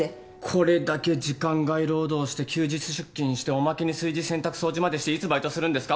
これだけ時間外労働して休日出勤しておまけに炊事洗濯掃除までしていつバイトするんですか？